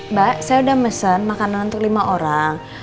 mbak saya udah mesen makanan untuk lima orang